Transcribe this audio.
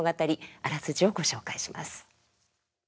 あらすじをご紹介します。